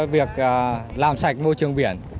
việc làm sạch môi trường biển